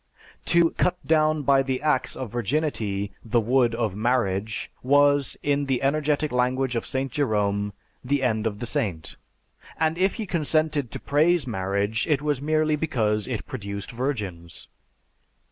To 'cut down by the axe of Virginity the wood of Marriage' was, in the energetic language of St. Jerome, the end of the saint; and if he consented to praise marriage it was merely because it produced virgins."